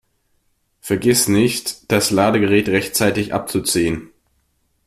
Vergiss nicht, das Ladegerät rechtzeitig abzuziehen!